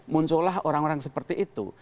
muncul lah orang orang seperti itu